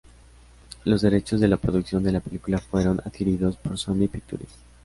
Los derechos de la producción de la película fueron adquiridos por Sony Pictures.